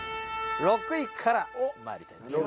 ６位からまいりたいと思います。